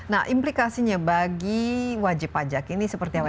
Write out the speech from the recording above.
nah implikasinya bagi wajib pajak ini seperti apa